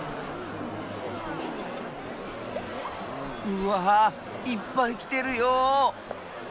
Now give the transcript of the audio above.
うわいっぱいきてるよ。